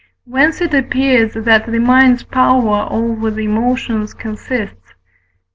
Whence it appears that the mind's power over the emotions consists: I.